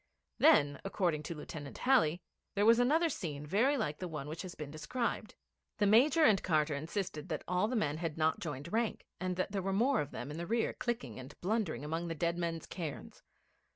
Then, according to Lieutenant Halley, there was another scene very like the one which has been described. The Major and Carter insisted that all the men had not joined rank, and that there were more of them in the rear clicking and blundering among the dead men's cairns.